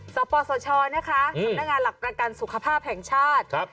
๑๓๓๐สปสชกำลังงานหลักประกันสุขภาพแห่งชาติ